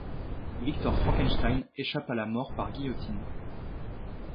Victor Frankenstein échappe à la mort par guillotine.